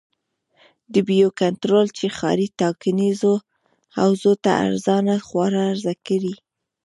د بیو کنټرول چې ښاري ټاکنیزو حوزو ته ارزانه خواړه عرضه کړي.